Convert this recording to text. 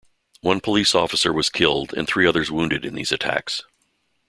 One police officer was killed and three others wounded in these attacks.